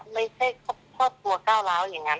ไม่ใช่ครอบครัวก้าวร้าวอย่างนั้น